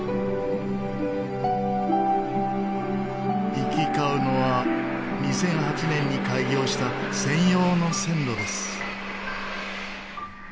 行き交うのは２００８年に開業した専用の線路です。